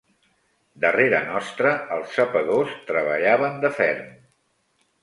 Darrere nostre els sapadors treballaven de ferm